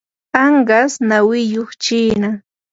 anqas nawiyuq chiina.